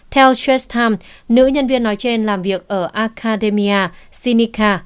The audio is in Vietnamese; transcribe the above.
theo trace time nữ nhân viên nói trên làm việc ở academia sinica